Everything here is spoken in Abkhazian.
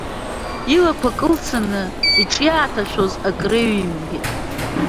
Илақәа кылцаны иҿы иааҭашәоз акы реиҩимгеит.